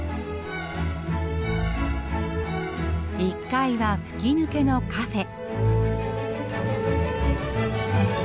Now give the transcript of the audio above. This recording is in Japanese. １階は吹き抜けのカフェ。